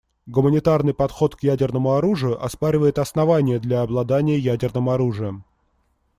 Гуманитарный подход к ядерному оружию оспаривает основания для обладания ядерным оружием.